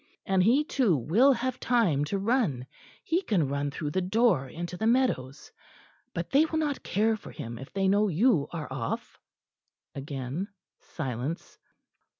And he too will have time to run. He can run through the door into the meadows. But they will not care for him if they know you are off." Again silence.